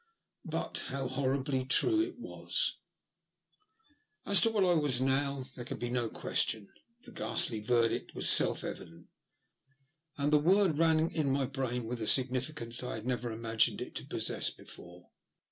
But how horribly true it was ! As to what I was now, there could be no question. The ghastly verdict was self evident, and the word rang in my brain with a significance I had never imagined it to possess before.